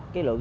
cái lùn xe